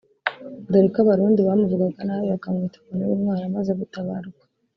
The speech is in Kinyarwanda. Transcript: dore ko abarundi bamuvugaga nabi bakamwita umuntu w’intwari amaze gutabaruka